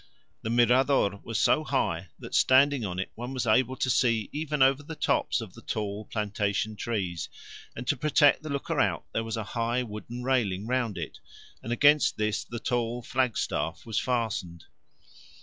The mirador was so high that standing on it one was able to see even over the tops of the tall plantation trees, and to protect the looker out there was a high wooden railing round it, and against this the tall flag staff was fastened.